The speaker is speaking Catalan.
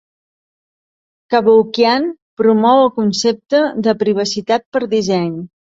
Cavoukian promou el concepte de privacitat per disseny.